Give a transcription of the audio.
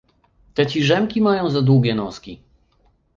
Te ciżemki mają za długie noski.